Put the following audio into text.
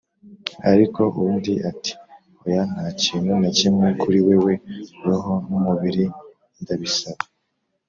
ariko undi ati “oya, nta kintu na kimwe kuri wewe; roho n'umubiri ndabisaba! ”